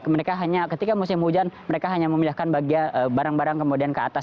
mereka hanya ketika musim hujan mereka hanya memindahkan bagian barang barang kemudian ke atas